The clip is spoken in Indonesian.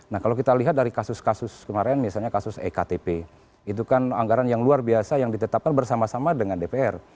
nah kalau kita lihat dari kasus kasus kemarin misalnya kasus ektp itu kan anggaran yang luar biasa yang ditetapkan bersama sama dengan dpr